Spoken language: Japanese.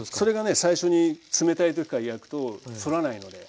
最初に冷たい時から焼くと反らないので。